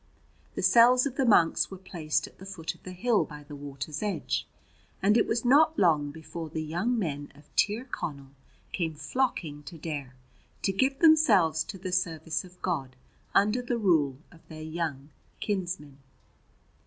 The cells of the monks were placed at the foot of the hill by the water's edge, and it was not long before the young men of Tir Connell came flocking to Daire to give themselves to the service of God under the rule of their young kinsman.